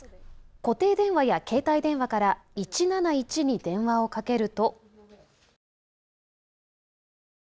固定電話や携帯電話から１７１に電話をかけると。